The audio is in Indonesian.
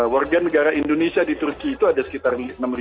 warga negara indonesia di turki itu ada sekitar enam lima ratus